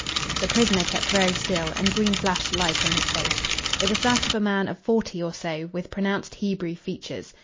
The prisoner kept very still, and Green flashed a light on his face. It was that of a man of forty or so, with pronounced Hebrew features.